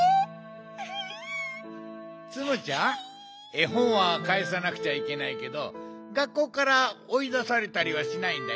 えほんはかえさなくちゃいけないけど学校からおいだされたりはしないんだよ。